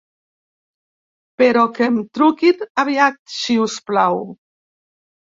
Però que em truquin aviat si us plau!